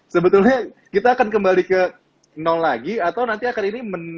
sebetulnya kita akan kembali ke nol lagi atau nanti akan ini